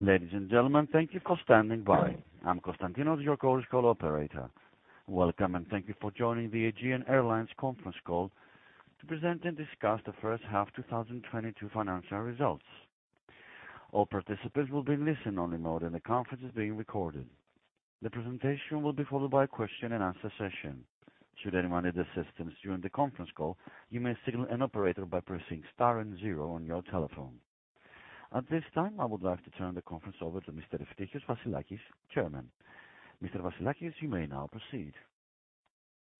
Ladies and gentlemen, thank you for standing by. I'm Constantinos, your current call operator. Welcome, and thank you for joining the Aegean Airlines conference call to present and discuss the first half 2022 financial results. All participants will be in listen only mode, and the conference is being recorded. The presentation will be followed by a question and answer session. Should anyone need assistance during the conference call, you may signal an operator by pressing star and zero on your telephone. At this time, I would like to turn the conference over to Mr. Eftichios Vassilakis, Chairman. Mr. Vassilakis, you may now proceed.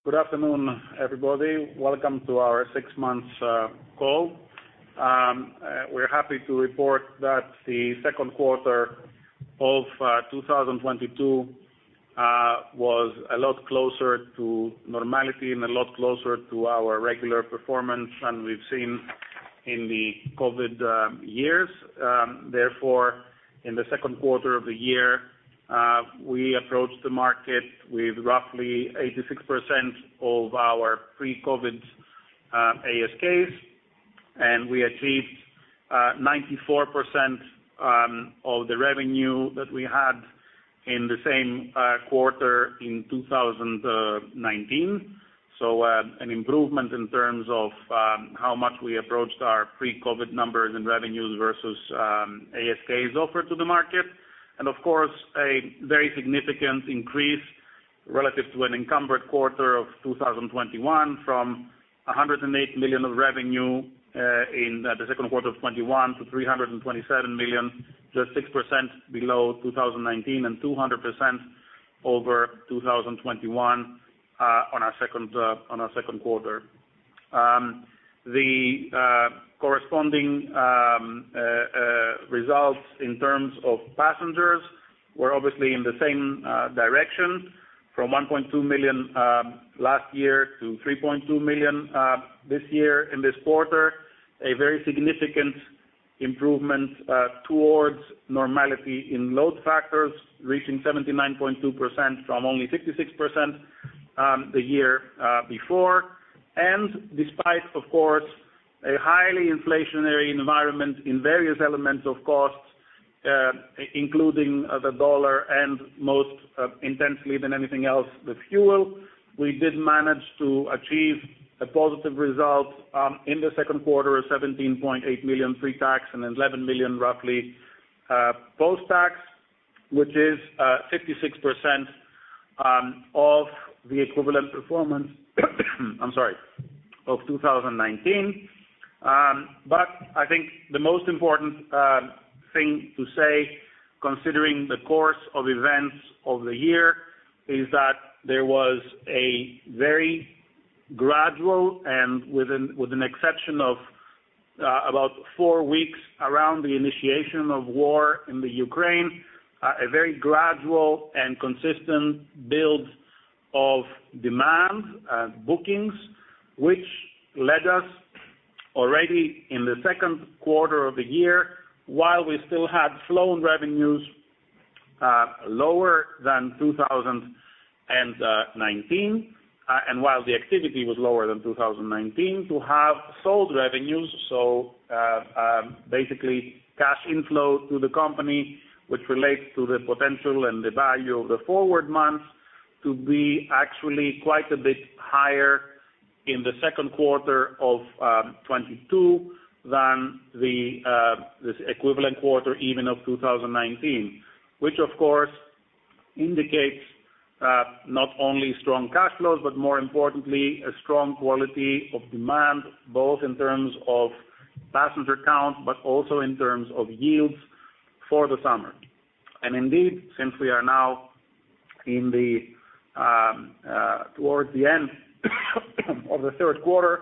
Good afternoon, everybody. Welcome to our six months call. We're happy to report that the second quarter of 2022 was a lot closer to normality and a lot closer to our regular performance than we've seen in the COVID years. Therefore, in the second quarter of the year, we approached the market with roughly 86% of our pre-COVID ASKs, and we achieved 94% of the revenue that we had in the same quarter in 2019. An improvement in terms of how much we approached our pre-COVID numbers and revenues versus ASKs offered to the market. Of course, a very significant increase relative to an encumbered quarter of 2021 from 108 million of revenue in the second quarter of 2021 to 327 million, just 6% below 2019 and 200% over 2021 in our second quarter. The corresponding results in terms of passengers were obviously in the same direction from 1.2 million last year to 3.2 million this year in this quarter. A very significant improvement towards normality in load factors, reaching 79.2% from only 66% the year before. Despite, of course, a highly inflationary environment in various elements of costs, including the dollar and most intensely than anything else, the fuel. We did manage to achieve a positive result in the second quarter of 17.8 million pre-tax and roughly 11 million post-tax, which is 56% of the equivalent performance, I'm sorry, of 2019. I think the most important thing to say, considering the course of events of the year, is that there was a very gradual and, with an exception of about 4 weeks around the initiation of war in Ukraine, a very gradual and consistent build of demand, bookings, which led us already in the second quarter of the year while we still had flown revenues lower than 2019. While the activity was lower than 2019 to have solid revenues, basically cash inflow to the company which relates to the potential and the value of the forward months to be actually quite a bit higher in the second quarter of 2022 than this equivalent quarter even of 2019. Which of course indicates not only strong cash flows, but more importantly a strong quality of demand, both in terms of passenger count, but also in terms of yields for the summer. Indeed, since we are now towards the end of the third quarter,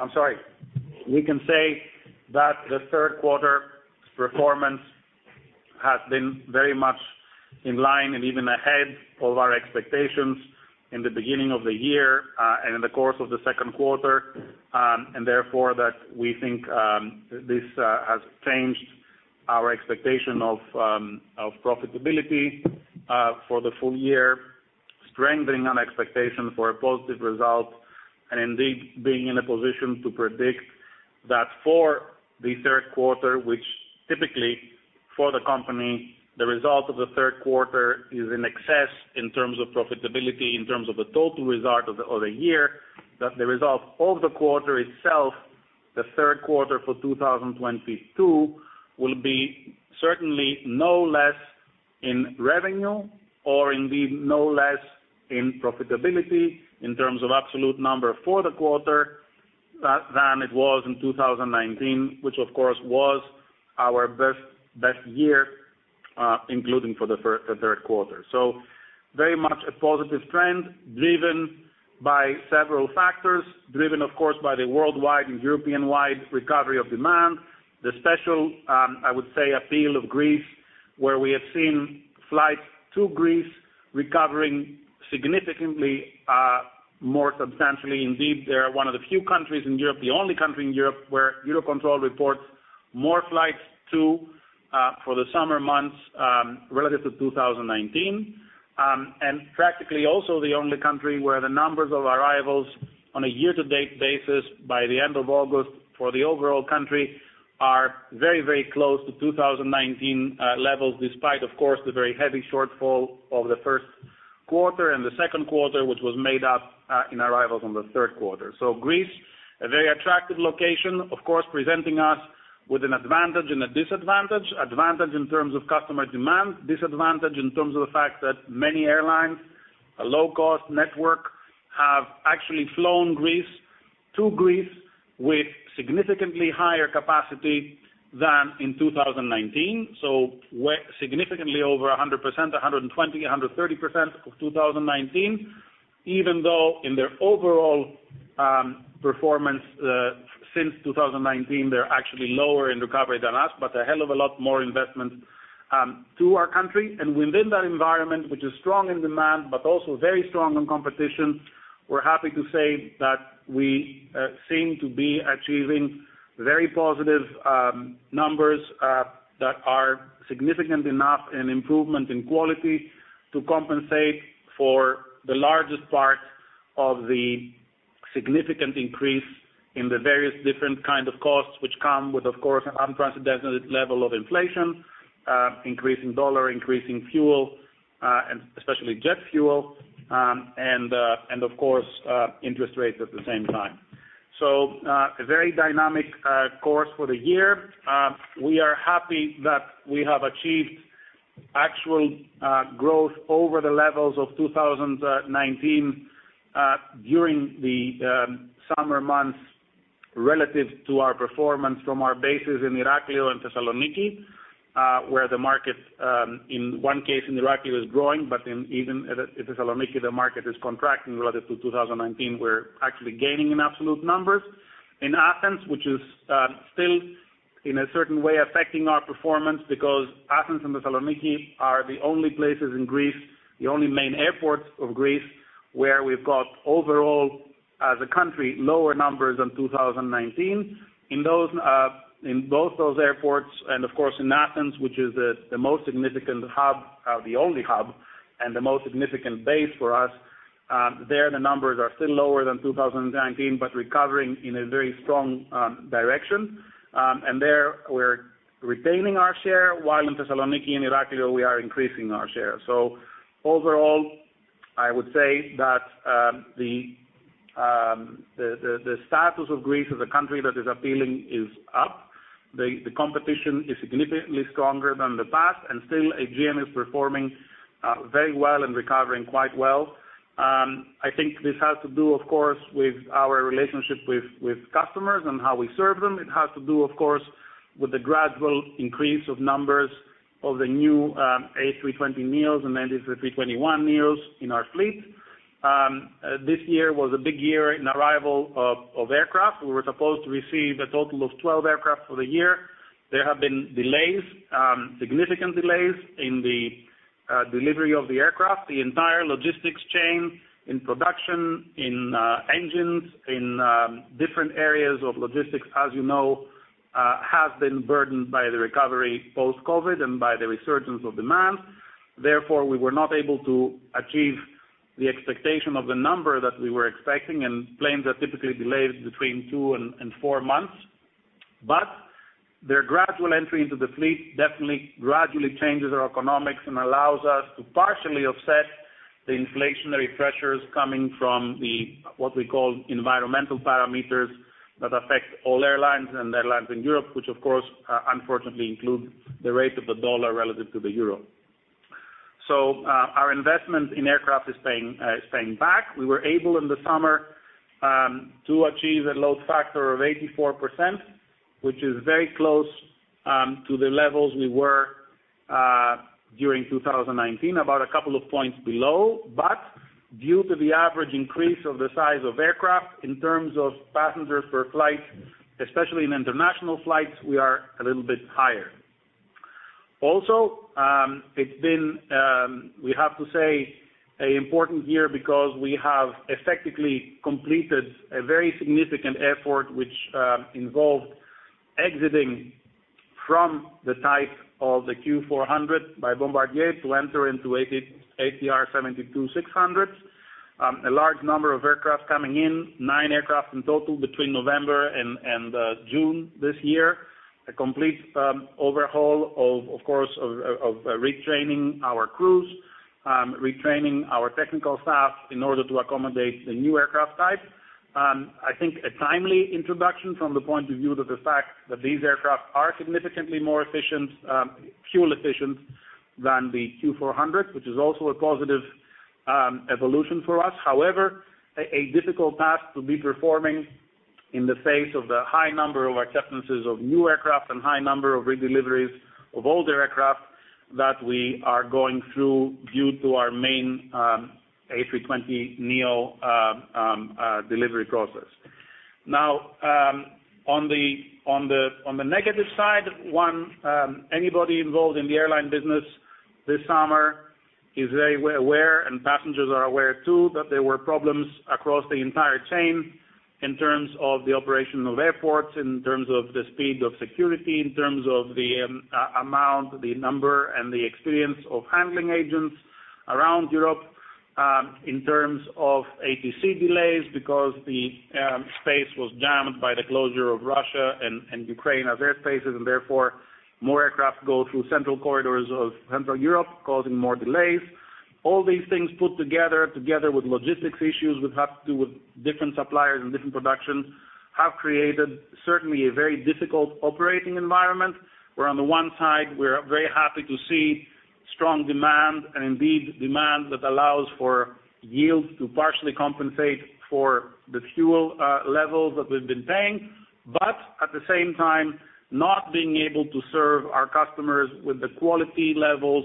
I'm sorry, we can say that the third quarter performance has been very much in line and even ahead of our expectations in the beginning of the year and in the course of the second quarter. Therefore, that we think this has changed our expectation of profitability for the full year, strengthening an expectation for a positive result, and indeed being in a position to predict that for the third quarter, which typically for the company, the result of the third quarter is in excess in terms of profitability, in terms of the total result of the year, that the result of the quarter itself, the third quarter for 2022, will be certainly no less in revenue or indeed no less in profitability in terms of absolute number for the quarter than it was in 2019, which of course was our best year, including for the third quarter. Very much a positive trend driven by several factors, of course by the worldwide and European-wide recovery of demand, the special, I would say appeal of Greece, where we have seen flights to Greece recovering significantly, more substantially. Indeed, they are one of the few countries in Europe, the only country in Europe, where EUROCONTROL reports more flights to, for the summer months, relative to 2019. Practically also the only country where the numbers of arrivals on a year to date basis by the end of August for the overall country are very, very close to 2019 levels despite of course, the very heavy shortfall of the first quarter and the second quarter, which was made up, in arrivals on the third quarter. Greece, a very attractive location, of course, presenting us with an advantage and a disadvantage. Advantage in terms of customer demand, disadvantage in terms of the fact that many airlines, a low-cost network, have actually flown Greece to Greece with significantly higher capacity than in 2019. Significantly over 100%, 120, 130% of 2019, even though in their overall, performance, since 2019 they're actually lower in recovery than us, but a hell of a lot more investment, to our country. Within that environment, which is strong in demand, but also very strong on competition, we're happy to say that we seem to be achieving very positive numbers that are significant enough in improvement in quality to compensate for the largest part of the significant increase in the various different kind of costs which come with of course, unprecedented level of inflation, increasing dollar, increasing fuel, and especially jet fuel, and of course, interest rates at the same time. A very dynamic course for the year. We are happy that we have achieved actual growth over the levels of 2019 during the summer months relative to our performance from our bases in Heraklion and Thessaloniki, where the market in one case in Heraklion is growing, but in Thessaloniki, the market is contracting relative to 2019. We're actually gaining in absolute numbers in Athens, which is still in a certain way affecting our performance because Athens and Thessaloniki are the only places in Greece, the only main airports of Greece, where we've got overall as a country, lower numbers than 2019. In those in both those airports and of course in Athens, which is the most significant hub, the only hub and the most significant base for us, there the numbers are still lower than 2019, but recovering in a very strong direction. There we're retaining our share, while in Thessaloniki and Heraklion we are increasing our share. Overall, I would say that the status of Greece as a country that is appealing is up. The competition is significantly stronger than the past, and still Aegean is performing very well and recovering quite well. I think this has to do, of course, with our relationship with customers and how we serve them. It has to do, of course, with the gradual increase of numbers of the new A320neos and A321neos in our fleet. This year was a big year in arrival of aircraft. We were supposed to receive a total of 12 aircraft for the year. There have been delays, significant delays in the delivery of the aircraft. The entire logistics chain in production, in engines, in different areas of logistics, as you know, have been burdened by the recovery post-COVID and by the resurgence of demand. Therefore, we were not able to achieve the expectation of the number that we were expecting, and planes are typically delayed between 2 and 4 months. Their gradual entry into the fleet definitely gradually changes our economics and allows us to partially offset the inflationary pressures coming from the, what we call environmental parameters that affect all airlines and airlines in Europe, which of course, unfortunately include the rate of the dollar relative to the euro. Our investment in aircraft is paying back. We were able in the summer to achieve a load factor of 84%, which is very close to the levels we were during 2019, about a couple of points below. Due to the average increase of the size of aircraft in terms of passengers per flight, especially in international flights, we are a little bit higher. Also, it's been, we have to say, an important year because we have effectively completed a very significant effort which involved exiting from the type of the Q400 by Bombardier to enter into ATR 72-600. A large number of aircraft coming in, nine aircraft in total between November and June this year. A complete overhaul, of course, of retraining our crews, retraining our technical staff in order to accommodate the new aircraft type. I think a timely introduction from the point of view that the fact that these aircraft are significantly more efficient, fuel efficient than the Q400, which is also a positive evolution for us. However, a difficult path to be performing in the face of the high number of acceptances of new aircraft and high number of redeliveries of older aircraft that we are going through due to our main A320neo delivery process. Now, on the negative side, anyone involved in the airline business this summer is very aware, and passengers are aware too, that there were problems across the entire chain in terms of the operation of airports, in terms of the speed of security, in terms of the amount, the number and the experience of handling agents around Europe, in terms of ATC delays because the space was jammed by the closure of Russia and Ukraine as airspaces, and therefore more aircraft go through central corridors of Central Europe, causing more delays. All these things put together with logistics issues which have to do with different suppliers and different production have created certainly a very difficult operating environment, where on the one side, we're very happy to see strong demand and indeed demand that allows for yields to partially compensate for the fuel levels that we've been paying. At the same time, not being able to serve our customers with the quality levels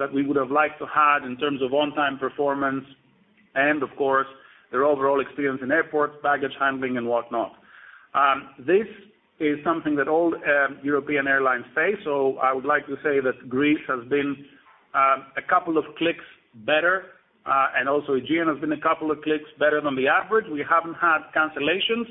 that we would have liked to have had in terms of on-time performance and of course their overall experience in airports, baggage handling and whatnot. This is something that all European airlines face. I would like to say that Greece has been a couple of clicks better, and also Aegean has been a couple of clicks better than the average. We haven't had cancellations.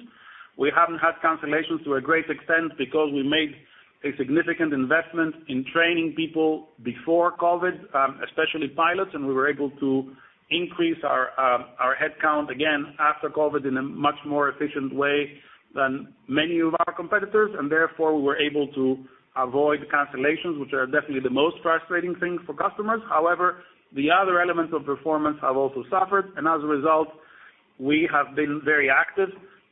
We haven't had cancellations to a great extent because we made a significant investment in training people before COVID, especially pilots, and we were able to increase our our headcount again after COVID in a much more efficient way than many of our competitors. Therefore, we were able to avoid cancellations, which are definitely the most frustrating thing for customers. However, the other elements of performance have also suffered, and as a result, we have been very active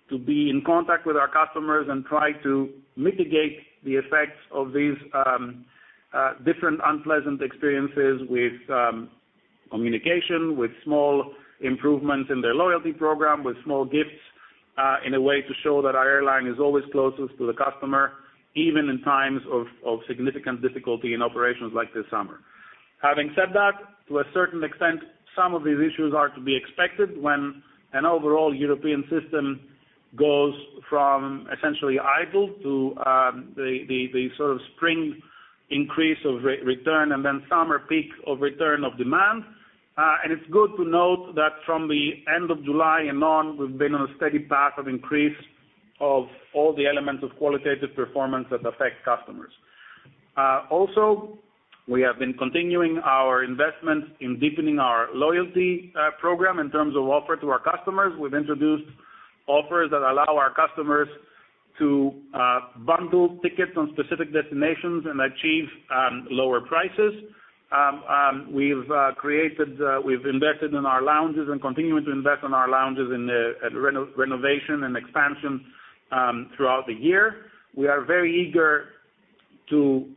to be in contact with our customers and try to mitigate the effects of these different unpleasant experiences with communication, with small improvements in their loyalty program, with small gifts, in a way to show that our airline is always closest to the customer, even in times of significant difficulty in operations like this summer. Having said that, to a certain extent, some of these issues are to be expected when an overall European system goes from essentially idle to the sort of spring increase of return and then summer peak of return of demand. It's good to note that from the end of July and on, we've been on a steady path of increase of all the elements of qualitative performance that affect customers. Also we have been continuing our investment in deepening our loyalty program in terms of offer to our customers. We've introduced offers that allow our customers to bundle tickets on specific destinations and achieve lower prices. We've invested in our lounges and continuing to invest in our lounges in renovation and expansion throughout the year. We are very eager to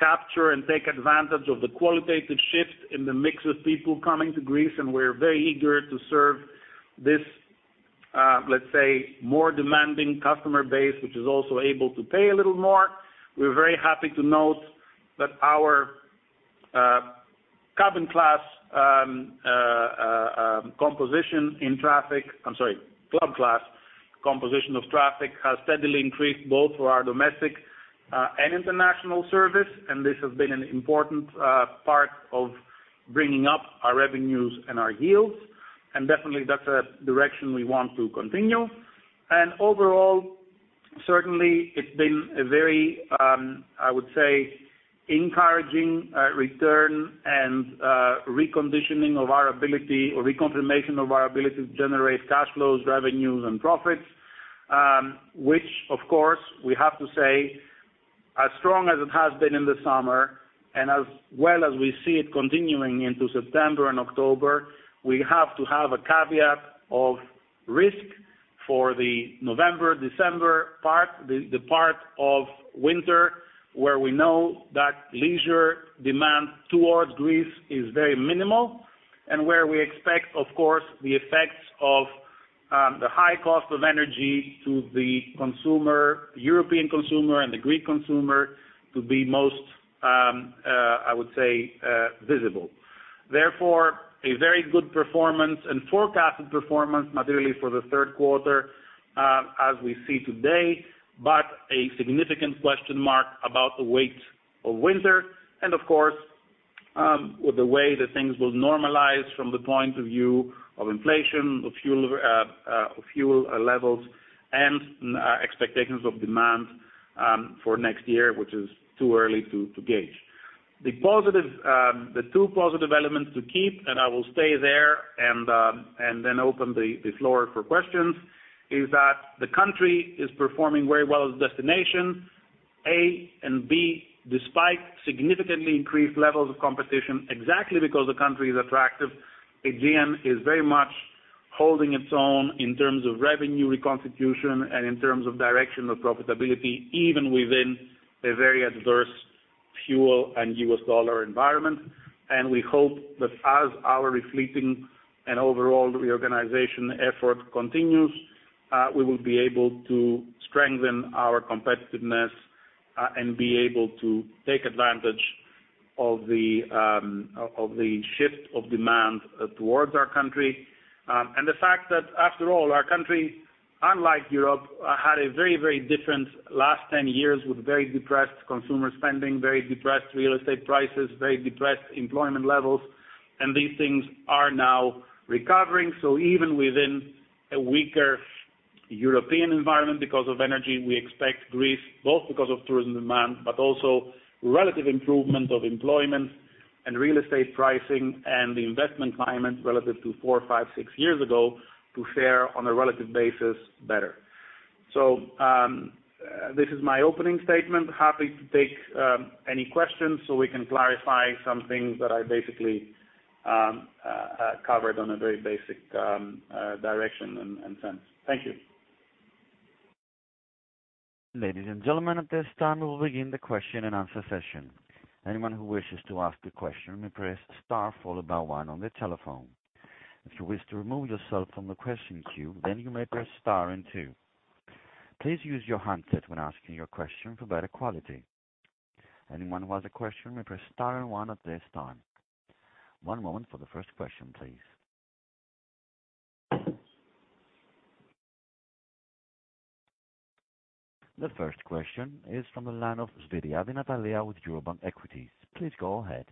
capture and take advantage of the qualitative shift in the mix of people coming to Greece, and we're very eager to serve this, let's say, more demanding customer base, which is also able to pay a little more. We're very happy to note that our club class composition of traffic has steadily increased both for our domestic and international service, and this has been an important part of bringing up our revenues and our yields. Definitely, that's a direction we want to continue. Overall, certainly it's been a very, I would say, encouraging return and reconditioning of our ability or reconfirmation of our ability to generate cash flows, revenues and profits, which of course we have to say, as strong as it has been in the summer and as well as we see it continuing into September and October, we have to have a caveat of risk for the November, December part, the part of winter where we know that leisure demand towards Greece is very minimal and where we expect, of course, the effects of the high cost of energy to the consumer, European consumer and the Greek consumer to be most, I would say, visible. Therefore, a very good performance and forecasted performance, not only for the third quarter, as we see today, but a significant question mark about the weight of winter and of course, the way that things will normalize from the point of view of inflation, of fuel, of fuel levels and, expectations of demand, for next year, which is too early to gauge. The positive, the two positive elements to keep, and I will stay there and then open the floor for questions, is that the country is performing very well as a destination, A, and B, despite significantly increased levels of competition, exactly because the country is attractive, Aegean is very much holding its own in terms of revenue reconstitution and in terms of direction of profitability, even within a very adverse fuel and US dollar environment. We hope that as our refleeting and overall reorganization effort continues, we will be able to strengthen our competitiveness, and be able to take advantage of the shift of demand towards our country. The fact that after all, our country, unlike Europe, had a very, very different last 10 years with very depressed consumer spending, very depressed real estate prices, very depressed employment levels, and these things are now recovering. Even within a weaker European environment because of energy, we expect Greece, both because of tourism demand, but also relative improvement of employment and real estate pricing and the investment climate relative to four, five, six years ago to fare on a relative basis better. This is my opening statement. Happy to take any questions so we can clarify some things that I basically covered on a very basic direction and sense. Thank you. Ladies and gentlemen, at this time, we will begin the question and answer session. Anyone who wishes to ask a question may press star followed by one on their telephone. If you wish to remove yourself from the question queue, then you may press star and two. Please use your handset when asking your question for better quality. Anyone who has a question may press star and one at this time. One moment for the first question, please. The first question is from the line of Natalia Svyriadi with Eurobank Equities. Please go ahead.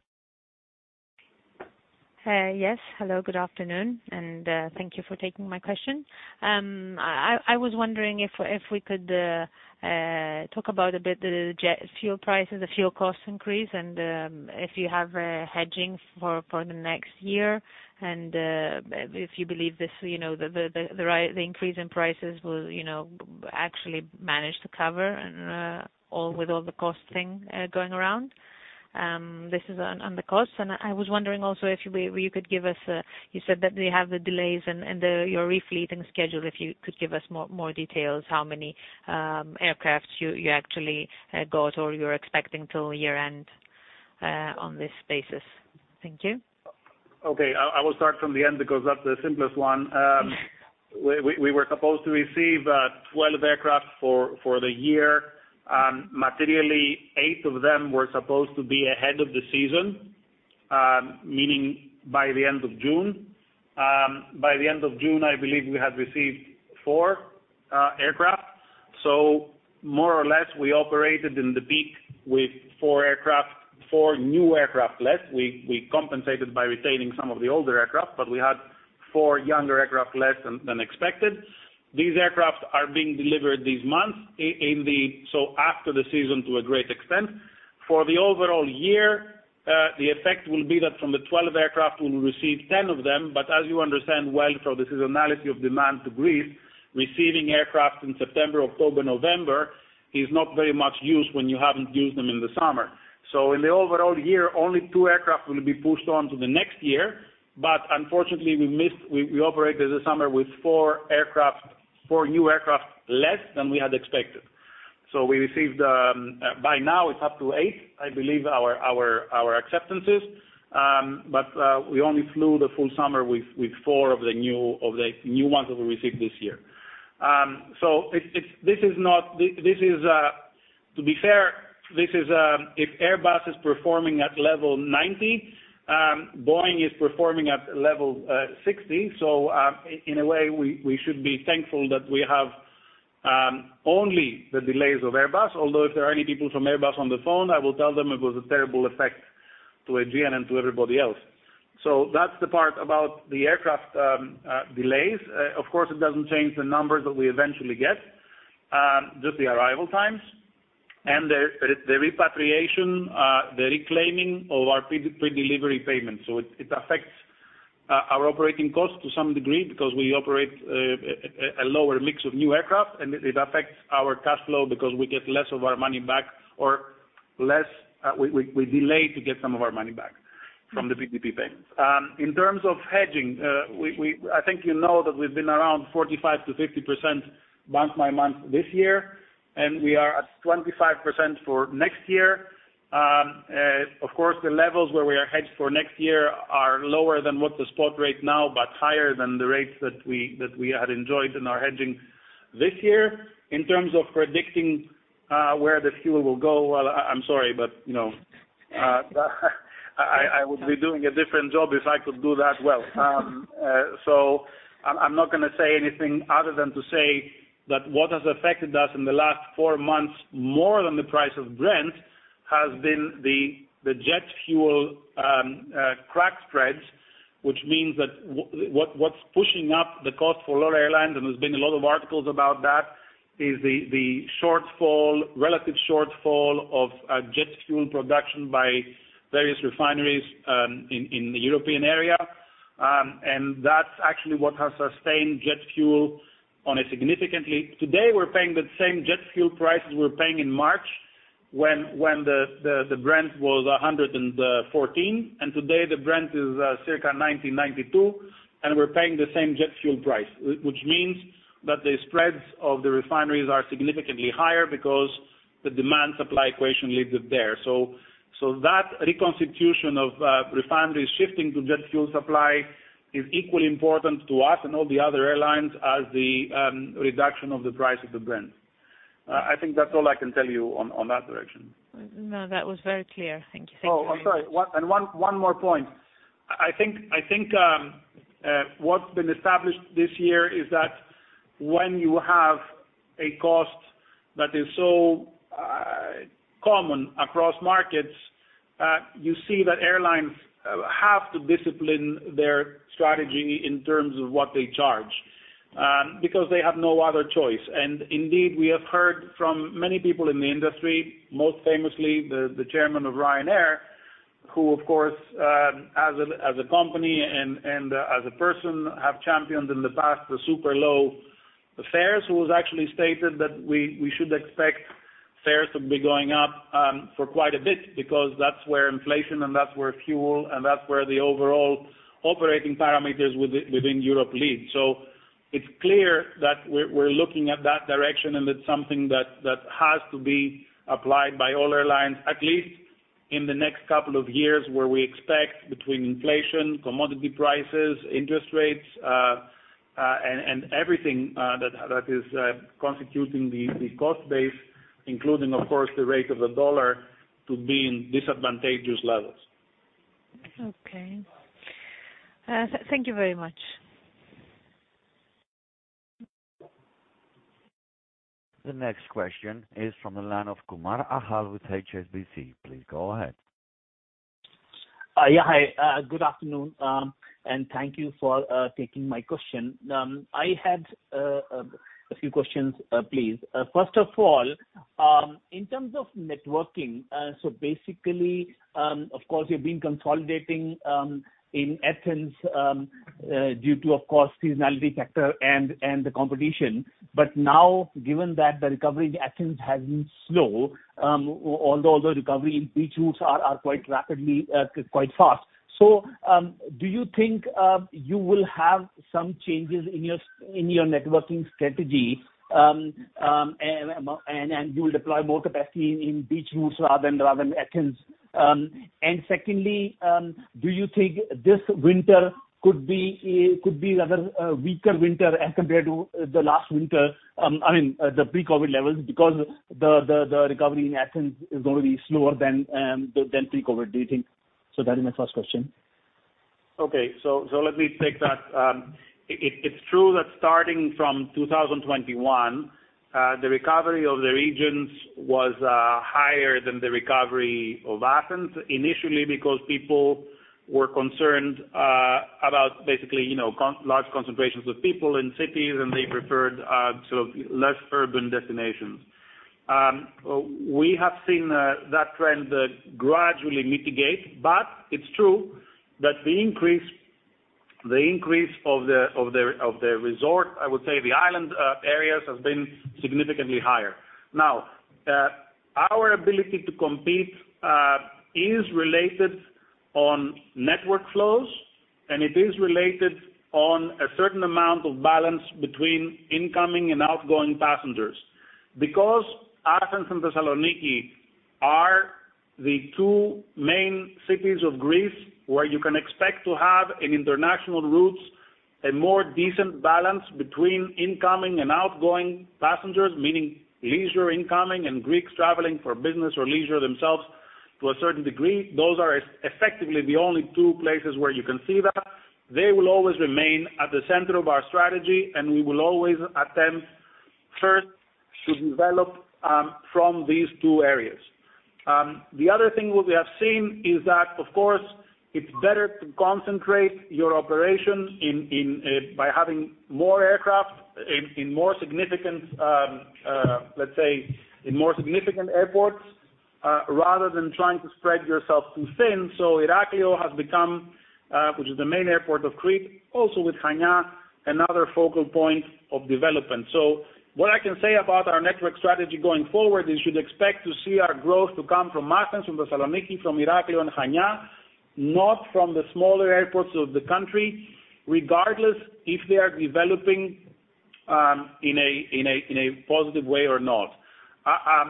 Hey. Yes, hello, good afternoon, and thank you for taking my question. I was wondering if we could talk about a bit the jet fuel prices, the fuel cost increase, and if you have a hedging for the next year and if you believe this, you know, the rate, the increase in prices will, you know, actually manage to cover and all with all the costs going around. This is on the cost. I was wondering also if you could give us, you said that they have the delays and your refitting schedule, if you could give us more details how many aircraft you actually got or you are expecting till year-end on this basis. Thank you. Okay. I will start from the end because that's the simplest one. We were supposed to receive 12 aircraft for the year. Materially, eight of them were supposed to be ahead of the season, meaning by the end of June. By the end of June, I believe we had received four aircraft. More or less, we operated in the peak with four aircraft, four new aircraft less. We compensated by retaining some of the older aircraft, but we had four younger aircraft less than expected. These aircraft are being delivered these months so after the season to a great extent. For the overall year, the effect will be that from the 12 aircraft, we will receive 10 of them. As you understand well, for the seasonality of demand to Greece, receiving aircraft in September, October, November is not very much used when you haven't used them in the summer. In the overall year, only two aircraft will be pushed on to the next year. Unfortunately, we operated this summer with four new aircraft less than we had expected. We received, by now it's up to eight, I believe, our acceptances. We only flew the full summer with four of the new ones that we received this year. To be fair, this is if Airbus is performing at level 90, Boeing is performing at level 60. In a way, we should be thankful that we have only the delays of Airbus, although if there are any people from Airbus on the phone, I will tell them it was a terrible effect to Aegean and to everybody else. That's the part about the aircraft delays. Of course, it doesn't change the numbers that we eventually get just the arrival times. The repatriation, the reclaiming of our pre-delivery payments. It affects our operating costs to some degree because we operate a lower mix of new aircraft, and it affects our cash flow because we get less of our money back or we delay to get some of our money back from the PDP payments. In terms of hedging, we I think you know that we've been around 45%-50% month by month this year, and we are at 25% for next year. Of course, the levels where we are hedged for next year are lower than what the spot rate now but higher than the rates that we had enjoyed in our hedging this year. In terms of predicting where the fuel will go, well, I'm sorry, but you know I would be doing a different job if I could do that well. I'm not gonna say anything other than to say that what has affected us in the last four months more than the price of Brent has been the jet fuel crack spreads, which means that what's pushing up the cost for a lot of airlines, and there's been a lot of articles about that, is the shortfall, relative shortfall of jet fuel production by various refineries in the European area. That's actually what has sustained jet fuel on a significantly. Today, we're paying the same jet fuel prices we were paying in March when the Brent was $114, and today the Brent is circa $92, and we're paying the same jet fuel price, which means that the spreads of the refineries are significantly higher because the demand supply equation leaves it there. That reconstitution of refineries shifting to jet fuel supply is equally important to us and all the other airlines as the reduction of the price of the Brent. I think that's all I can tell you on that direction. No, that was very clear. Thank you. Thank you. Oh, I'm sorry. One more point. I think what's been established this year is that when you have a cost that is so common across markets, you see that airlines have to discipline their strategy in terms of what they charge, because they have no other choice. Indeed, we have heard from many people in the industry, most famously the chairman of Ryanair, who, of course, as a company and as a person have championed in the past the super low fares, who has actually stated that we should expect fares to be going up for quite a bit because that's where inflation and that's where fuel and that's where the overall operating parameters within Europe lead. It's clear that we're looking at that direction, and it's something that has to be applied by all airlines, at least in the next couple of years, where we expect between inflation, commodity prices, interest rates, and everything that is constituting the cost base, including of course the rate of the US dollar to be in disadvantageous levels. Okay. Thank you very much. The next question is from the line of Achal Kumar with HSBC. Please go ahead. Yeah. Hi, good afternoon, and thank you for taking my question. I had a few questions, please. First of all, in terms of network, so basically, of course, you've been consolidating in Athens due to, of course, seasonality factor and the competition. Now, given that the recovery in Athens has been slow, although recovery in beach routes are quite fast. Do you think you will have some changes in your network strategy, and you'll deploy more capacity in beach routes rather than Athens? Secondly, do you think this winter could be rather a weaker winter as compared to the last winter? I mean, the pre-COVID levels because the recovery in Athens is going to be slower than pre-COVID, do you think? That is my first question. It's true that starting from 2021, the recovery of the regions was higher than the recovery of Athens initially because people were concerned about basically, you know, large concentrations of people in cities, and they preferred sort of less urban destinations. We have seen that trend gradually mitigate, but it's true that the increase of the resort, I would say the island, areas have been significantly higher. Now, our ability to compete is reliant on network flows, and it is reliant on a certain amount of balance between incoming and outgoing passengers. Because Athens and Thessaloniki are the two main cities of Greece where you can expect to have international routes and more decent balance between incoming and outgoing passengers, meaning leisure incoming and Greeks traveling for business or leisure themselves to a certain degree. Those are effectively the only two places where you can see that. They will always remain at the center of our strategy, and we will always attempt first to develop from these two areas. The other thing what we have seen is that, of course, it's better to concentrate your operations in by having more aircraft in more significant, let's say, in more significant airports rather than trying to spread yourself too thin. Heraklion has become, which is the main airport of Crete, also with Chania, another focal point of development. What I can say about our network strategy going forward, you should expect to see our growth to come from Athens, from Thessaloniki, from Heraklion and Chania, not from the smaller airports of the country, regardless if they are developing in a positive way or not.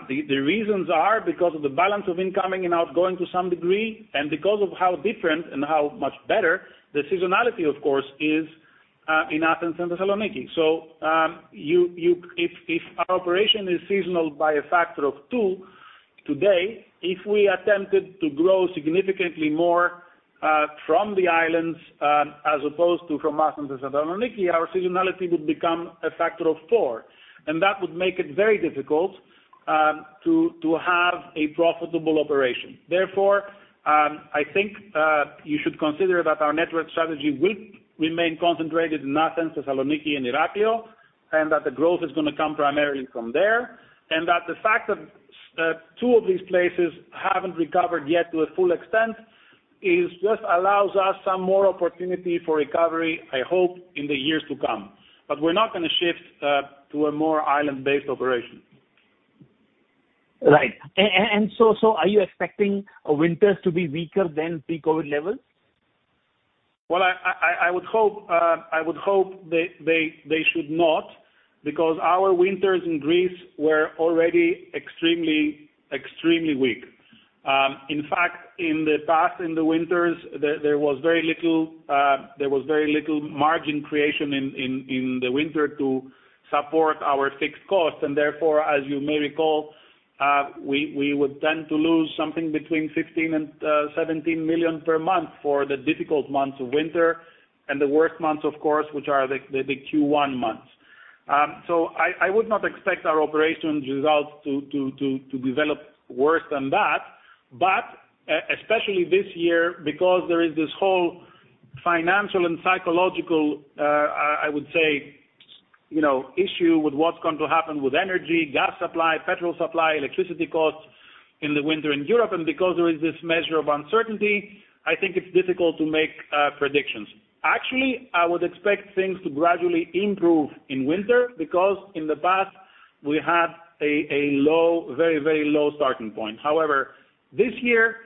The reasons are because of the balance of incoming and outgoing to some degree, and because of how different and how much better the seasonality, of course, is in Athens and Thessaloniki. If our operation is seasonal by a factor of two today, if we attempted to grow significantly more from the islands as opposed to from Athens and Thessaloniki, our seasonality would become a factor of four, and that would make it very difficult to have a profitable operation. Therefore, I think you should consider that our network strategy will remain concentrated in Athens, Thessaloniki and Heraklio, and that the growth is gonna come primarily from there. That the fact that two of these places haven't recovered yet to a full extent it just allows us some more opportunity for recovery, I hope, in the years to come. We're not gonna shift to a more island-based operation. Right. Are you expecting winters to be weaker than pre-COVID levels? Well, I would hope they should not, because our winters in Greece were already extremely weak. In fact, in the past, in the winters, there was very little margin creation in the winter to support our fixed costs. Therefore, as you may recall, we would tend to lose something between 15 million and 17 million per month for the difficult months of winter and the worst months, of course, which are the big Q1 months. I would not expect our operations results to develop worse than that. Especially this year, because there is this whole financial and psychological, I would say, you know, issue with what's going to happen with energy, gas supply, petrol supply, electricity costs in the winter in Europe, and because there is this measure of uncertainty, I think it's difficult to make predictions. Actually, I would expect things to gradually improve in winter because in the past we had a low, very, very low starting point. However, this year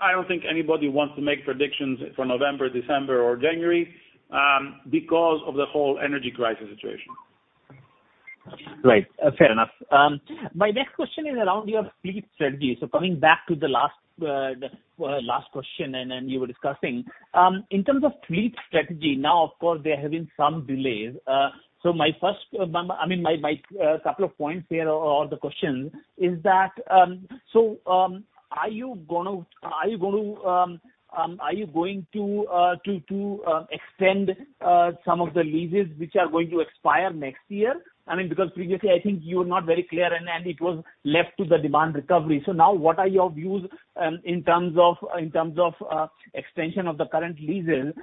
I don't think anybody wants to make predictions for November, December or January, because of the whole energy crisis situation. Right. Fair enough. My next question is around your fleet strategy. Coming back to the last question and then you were discussing. In terms of fleet strategy, now of course there have been some delays. My first, I mean, couple of points here or the questions is that, are you going to extend some of the leases which are going to expire next year? I mean, because previously I think you were not very clear and it was left to the demand recovery. Now what are your views in terms of extension of the current leases?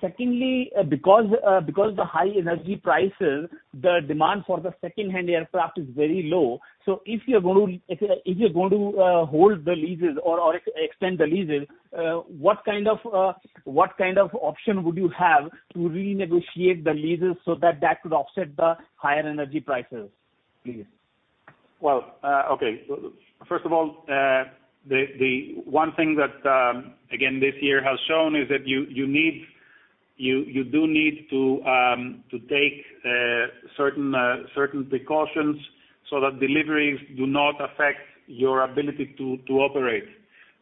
Secondly, because the high energy prices, the demand for the secondhand aircraft is very low. So if you're going to hold the leases or extend the leases, what kind of option would you have to renegotiate the leases so that that could offset the higher energy prices, please? Well, okay. First of all, the one thing that again this year has shown is that you do need to take certain precautions so that deliveries do not affect your ability to operate.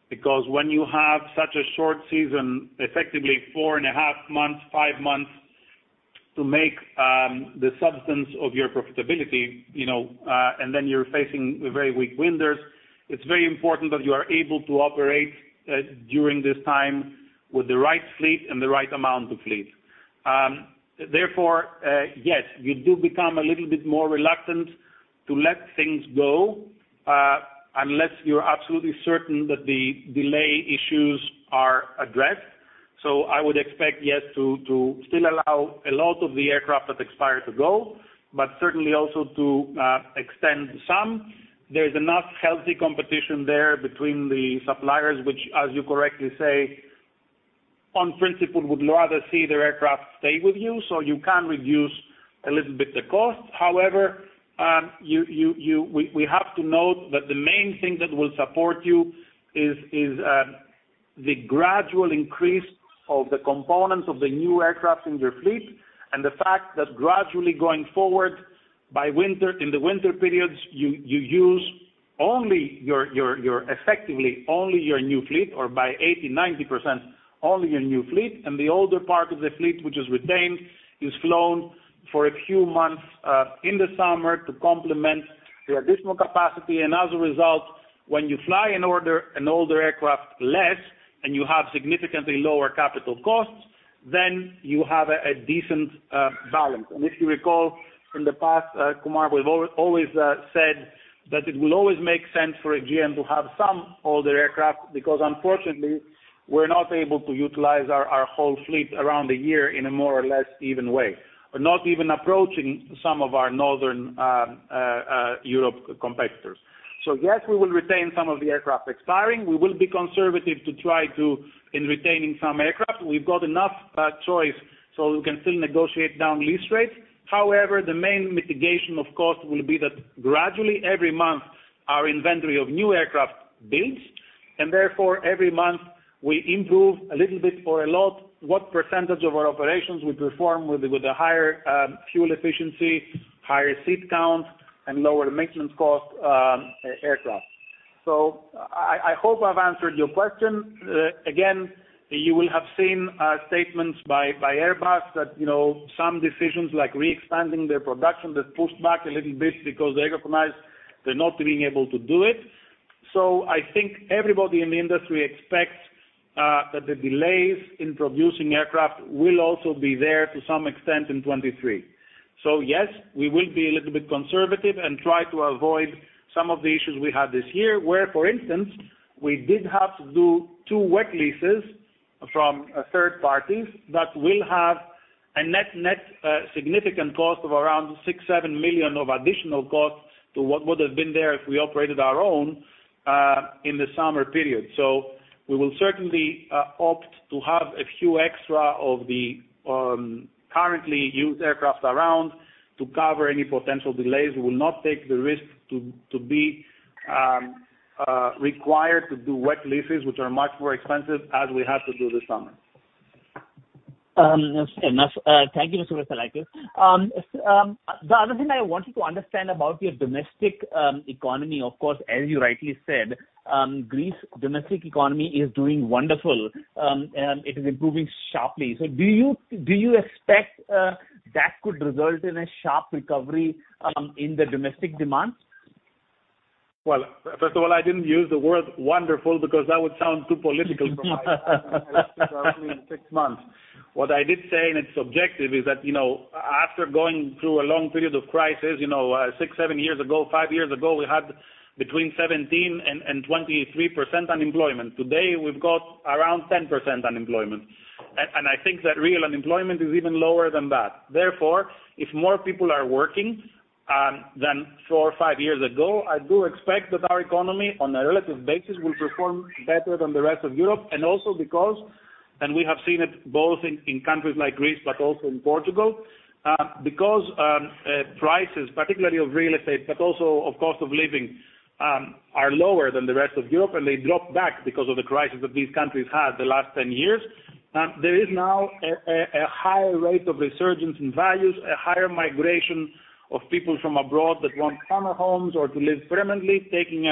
Because when you have such a short season, effectively four and a half months, five months to make the substance of your profitability, you know, and then you're facing very weak winters, it's very important that you are able to operate during this time with the right fleet and the right amount of fleet. Therefore, yes, you do become a little bit more reluctant to let things go unless you're absolutely certain that the delay issues are addressed. I would expect yes to still allow a lot of the aircraft that expire to go, but certainly also to extend some. There's enough healthy competition there between the suppliers, which as you correctly say, on principle would rather see their aircraft stay with you so you can reduce a little bit the cost. However, we have to note that the main thing that will support you is the gradual increase of the components of the new aircraft in your fleet and the fact that gradually going forward by winter, in the winter periods you use only your effectively only your new fleet or by 80%-90% only your new fleet. The older part of the fleet, which is retained, is flown for a few months in the summer to complement the additional capacity. As a result, when you fly an older aircraft less and you have significantly lower capital costs, then you have a decent balance. If you recall from the past, Kumar, we've always said that it will always make sense for Aegean to have some older aircraft because unfortunately we're not able to utilize our whole fleet around the year in a more or less even way. We're not even approaching some of our northern European competitors. Yes, we will retain some of the aircraft expiring. We will be conservative to try to in retaining some aircraft. We've got enough choice, so we can still negotiate down lease rates. However, the main mitigation of cost will be that gradually every month our inventory of new aircraft builds and therefore every month we improve a little bit or a lot what percentage of our operations we perform with a higher fuel efficiency, higher seat count and lower maintenance cost aircraft. I hope I've answered your question. Again, you will have seen statements by Airbus that, you know, some decisions like re-expanding their production that's pushed back a little bit because they recognize they're not being able to do it. I think everybody in the industry expects that the delays in producing aircraft will also be there to some extent in 2023. Yes, we will be a little bit conservative and try to avoid some of the issues we had this year where, for instance, we did have to do two wet leases from third parties that will have a net significant cost of around 6-7 million of additional cost to what would have been there if we operated our own in the summer period. We will certainly opt to have a few extra of the currently used aircraft around to cover any potential delays. We will not take the risk to be required to do wet leases, which are much more expensive as we had to do this summer. Fair enough. Thank you, Mr. Vassilakis. The other thing I wanted to understand about your domestic economy, of course, as you rightly said, Greek domestic economy is doing wonderful. It is improving sharply. Do you expect that could result in a sharp recovery in the domestic demands? Well, first of all, I didn't use the word wonderful because that would sound too political. What I did say, and it's objective, is that, you know, after going through a long period of crisis, you know, six, seven years ago, five years ago, we had between 17% and 23% unemployment. Today we've got around 10% unemployment. I think that real unemployment is even lower than that. Therefore, if more people are working than four or five years ago, I do expect that our economy on a relative basis will perform better than the rest of Europe. Also because we have seen it both in countries like Greece but also in Portugal because prices particularly of real estate but also of cost of living are lower than the rest of Europe and they dropped back because of the crisis that these countries had the last 10 years. There is now a higher rate of resurgence in values, a higher migration of people from abroad that want summer homes or to live permanently, taking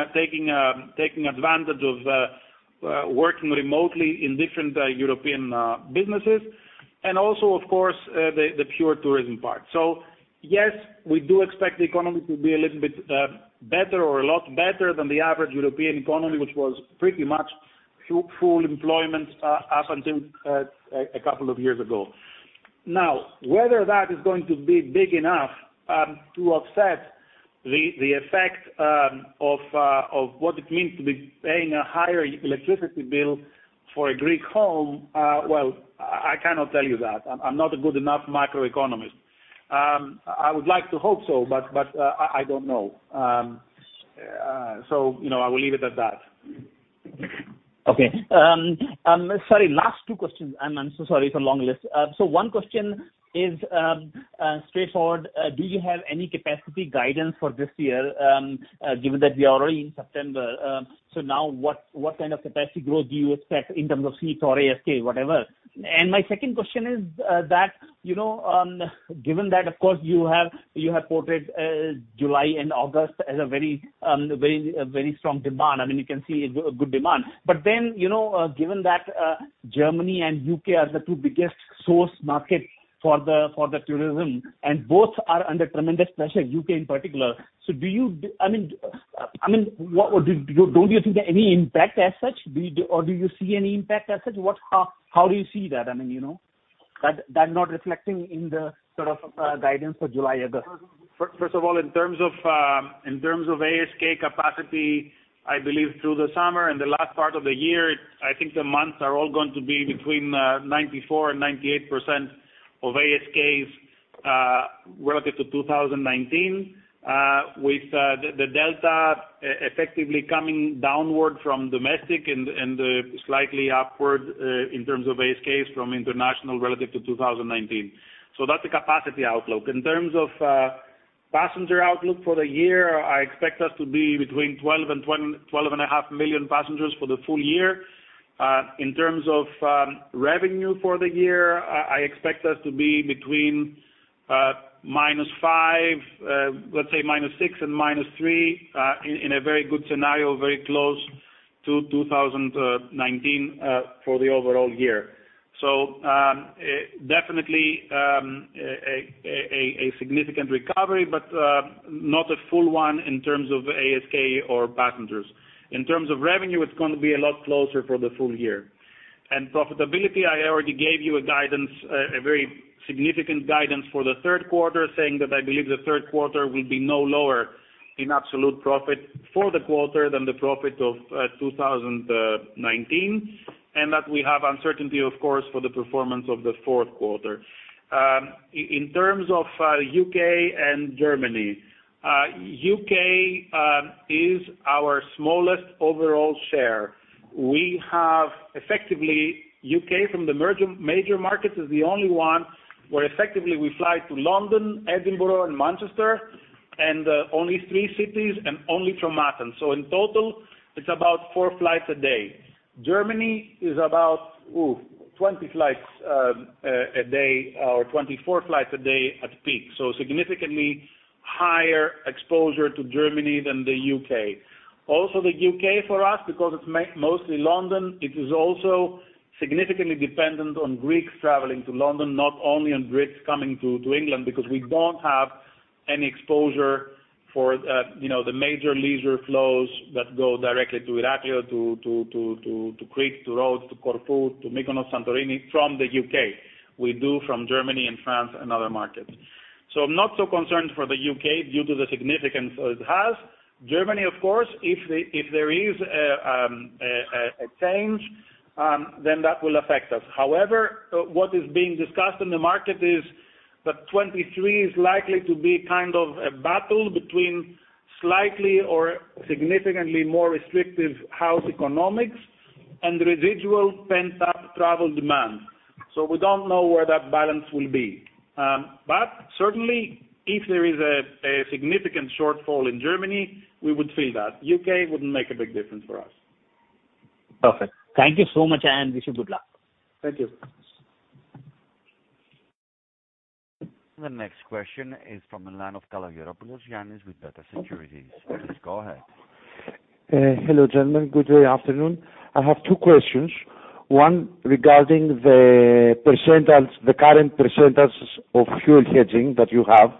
advantage of working remotely in different European businesses. Also, of course, the pure tourism part. Yes, we do expect the economy to be a little bit better or a lot better than the average European economy, which was pretty much full employment up until a couple of years ago. Now, whether that is going to be big enough to offset the effect of what it means to be paying a higher electricity bill for a Greek home, well, I cannot tell you that. I'm not a good enough macroeconomist. I would like to hope so, but I don't know. You know, I will leave it at that. Okay. Sorry, last two questions. I'm so sorry it's a long list. One question is straightforward. Do you have any capacity guidance for this year, given that we are already in September? Now what kind of capacity growth do you expect in terms of seats or ASK, whatever? My second question is that, you know, given that of course you have quoted July and August as a very, very strong demand, I mean, you can see a good demand. Then, you know, given that Germany and U.K. are the two biggest source markets for the tourism, and both are under tremendous pressure, U.K. in particular. I mean, what would. Don't you think there any impact as such? Do you or do you see any impact as such? What, how do you see that? I mean, you know? That not reflecting in the sort of guidance for July, August. First of all, in terms of in terms of ASK capacity, I believe through the summer and the last part of the year, I think the months are all going to be between 94% and 98% of ASKs relative to 2019. With the delta effectively coming downward from domestic and slightly upward in terms of ASKs from international relative to 2019. That's the capacity outlook. In terms of passenger outlook for the year, I expect us to be between 12 and 12 and a half million passengers for the full year. In terms of revenue for the year, I expect us to be between -5%, let's say -6% and -3%, in a very good scenario very close to 2019 for the overall year. Definitely a significant recovery but not a full one in terms of ASK or passengers. In terms of revenue, it's gonna be a lot closer for the full year. Profitability, I already gave you a guidance, a very significant guidance for the third quarter, saying that I believe the third quarter will be no lower in absolute profit for the quarter than the profit of 2019. That we have uncertainty of course for the performance of the fourth quarter. In terms of UK and Germany, UK is our smallest overall share. We have effectively UK from the major markets is the only one where effectively we fly to London, Edinburgh and Manchester, and only three cities and only from Athens. In total, it's about four flights a day. Germany is about 20 flights a day or 24 flights a day at peak. Significantly higher exposure to Germany than the UK. Also the UK for us because it's mostly London, it is also significantly dependent on Greeks traveling to London, not only on Brits coming to Crete, because we don't have any exposure for you know the major leisure flows that go directly to Heraklion to Crete to Rhodes to Corfu to Mykonos Santorini from the UK. We do from Germany and France and other markets. I'm not so concerned for the U.K. due to the significance it has. Germany of course, if there is a change, then that will affect us. However, what is being discussed in the market is that 2023 is likely to be kind of a battle between slightly or significantly more restrictive household economics and residual pent-up travel demand. We don't know where that balance will be. Certainly if there is a significant shortfall in Germany, we would feel that. U.K. wouldn't make a big difference for us. Perfect. Thank you so much, and wish you good luck. Thank you. The next question is from the line of Yiannis Kalogeropoulos with Beta Securities. Yannis, go ahead. Hello, gentlemen. Good afternoon. I have two questions. One regarding the percentage, the current percentage of fuel hedging that you have.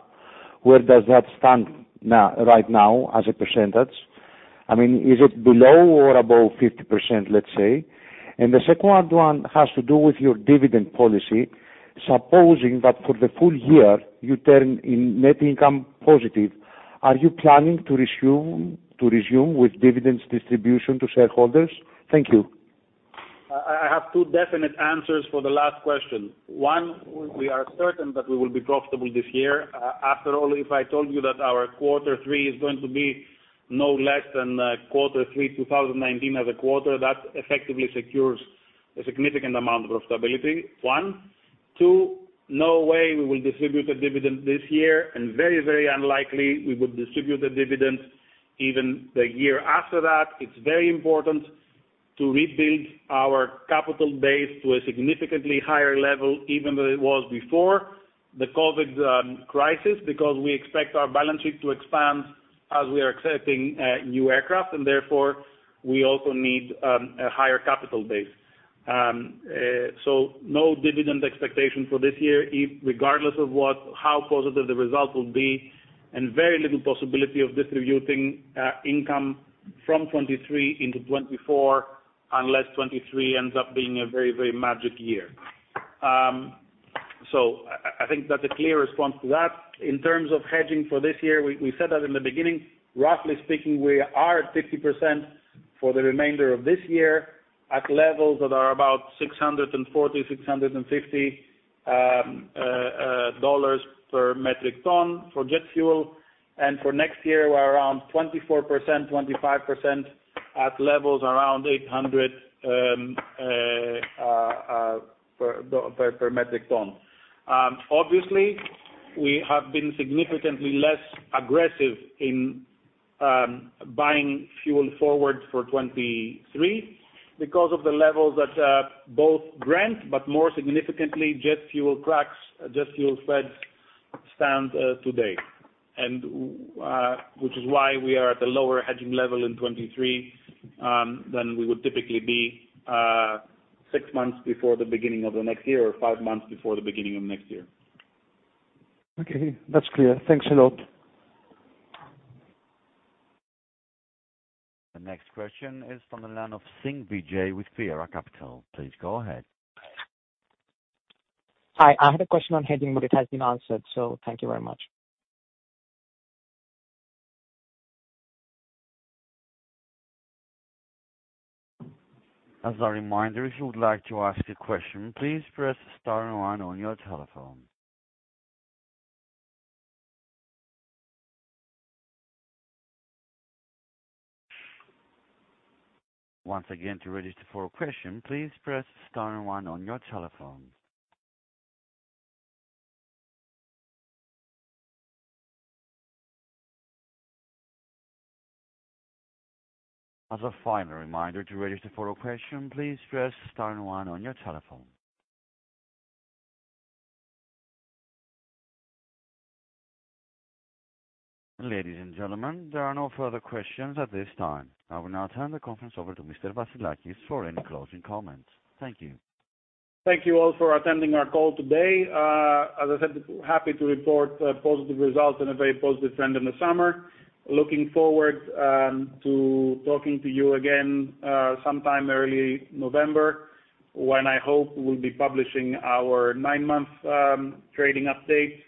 Where does that stand now, right now as a percentage? I mean, is it below or above 50%, let's say? The second one has to do with your dividend policy. Supposing that for the full year you turn in net income positive, are you planning to resume with dividends distribution to shareholders? Thank you. I have two definite answers for the last question. One, we are certain that we will be profitable this year. After all, if I told you that our quarter three is going to be no less than quarter three, 2019 as a quarter, that effectively secures a significant amount of profitability. One. Two, no way we will distribute a dividend this year, and very, very unlikely we would distribute a dividend even the year after that. It's very important to rebuild our capital base to a significantly higher level, even than it was before the COVID crisis, because we expect our balance sheet to expand as we are accepting new aircraft, and therefore we also need a higher capital base. No dividend expectation for this year regardless of what, how positive the result will be, and very little possibility of distributing income from 2023 into 2024 unless 2023 ends up being a very, very magic year. I think that's a clear response to that. In terms of hedging for this year, we said that in the beginning. Roughly speaking, we are at 50% for the remainder of this year at levels that are about $640-$650 per metric ton for jet fuel. For next year we're around 24%-25% at levels around $800 per metric ton. Obviously we have been significantly less aggressive in buying fuel forward for 2023 because of the levels that both Brent, but more significantly jet fuel crack spreads stand today. Which is why we are at a lower hedging level in 2023 than we would typically be six months before the beginning of the next year or five months before the beginning of next year. Okay, that's clear. Thanks a lot. The next question is from the line of Vijay Singh with Fiera Capital. Please go ahead. Hi. I had a question on hedging, but it has been answered, so thank you very much. As a reminder, if you would like to ask a question, please press star one on your telephone. Once again, to register for a question, please press star one on your telephone. As a final reminder, to register for a question, please press star one on your telephone. Ladies and gentlemen, there are no further questions at this time. I will now turn the conference over to Mr. Vassilakis for any closing comments. Thank you. Thank you all for attending our call today. As I said, happy to report positive results and a very positive trend in the summer. Looking forward to talking to you again sometime early November when I hope we'll be publishing our nine-month trading update.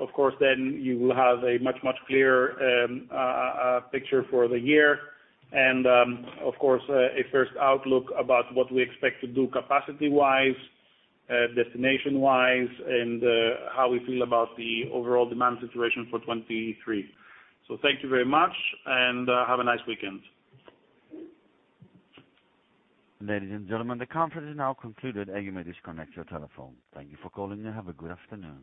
Of course, then you will have a much clearer picture for the year and, of course, a first outlook about what we expect to do capacity-wise, destination-wise, and how we feel about the overall demand situation for 2023. Thank you very much and have a nice weekend. Ladies and gentlemen, the conference is now concluded and you may disconnect your telephone. Thank you for calling and have a good afternoon.